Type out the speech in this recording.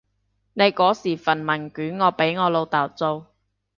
你嗰時份問卷我俾我老豆做